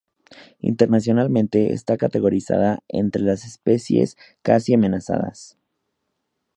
Internacionalmente está categorizada entre las especies casi amenazadas.